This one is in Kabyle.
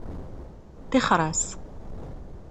Ṭixer-as.